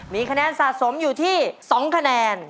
มีคะแนนสะสมอยู่ที่๒คะแนน